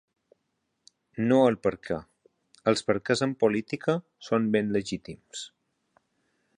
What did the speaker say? No el perquè: els perquès en política són ben legítims.